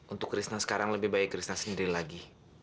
untuk krishna sekarang lebih baik krisna sendiri lagi